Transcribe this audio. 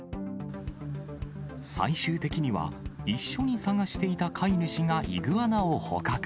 最終的には、一緒に捜していた飼い主がイグアナを捕獲。